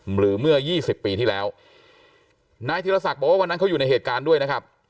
เมื่อยี่สิบปีที่แล้วนายธีรศักดิ์บอกว่าวันนั้นเขาอยู่ในเหตุการณ์ด้วยนะครับ